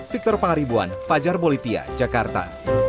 victor pangaribuan fajar bolivia jakarta